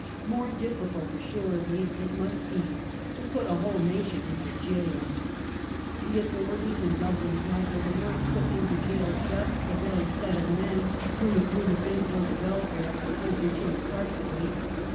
More difficult, assuredly, it must be to put a whole nation into jail. The authorities in Dublin Castle did not put into jail just the very set of men whom it would have been for the welfare of the country to incarcerate.